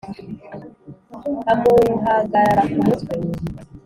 amuhagarara ku mutwe.